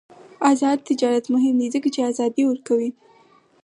آزاد تجارت مهم دی ځکه چې ازادي ورکوي.